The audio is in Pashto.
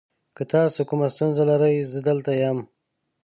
که تاسو کومه ستونزه لرئ، زه دلته یم.